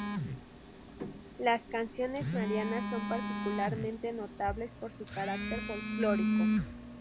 Las canciones marianas son particularmente notables por su carácter folklórico.